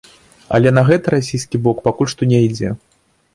Але на гэта расійскі бок пакуль што не ідзе.